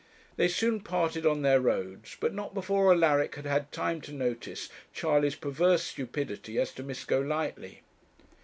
They soon parted on their roads, but not before Alaric had had time to notice Charley's perverse stupidity as to Miss Golightly.